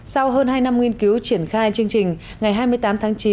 sau hơn hai năm nghiên cứu triển khai chương trình ngày hai mươi tám tháng chín